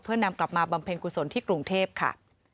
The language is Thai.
เพื่อนำกลับมาบำเพ็ญกุศลที่กรุงเทพค่ะ